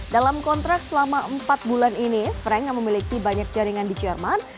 dalam kontrak selama empat bulan ini frank yang memiliki banyak jaringan di jerman